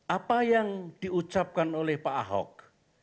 apa yang diucapkan oleh pak ahok